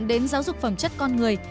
đến giáo dục phẩm chất con người